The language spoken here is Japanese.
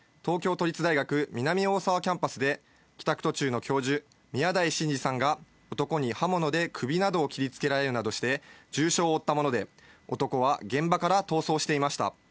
この事件は去年１１月２９日、東京都立大学・南大沢キャンパスで帰宅途中の教授・宮台真司さんが男に刃物で首などを切りつけられるなどして重傷を負ったもので、男は現場から逃走していました。